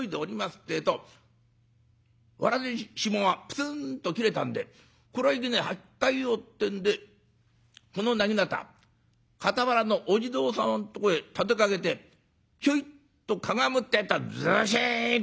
ってえとわらじのひもがプツンと切れたんで「こらいけねえ。履き替えよう」ってんでこのなぎなた傍らのお地蔵さんのとこへ立てかけてひょいっとかがむってえとずしんと。